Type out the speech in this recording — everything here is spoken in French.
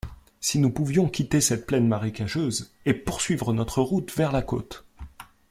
Si nous pouvions quitter cette plaine marécageuse et poursuivre notre route vers la côte!